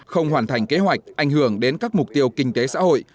không hoàn thành kế hoạch ảnh hưởng đến các mục tiêu kinh tế xã hội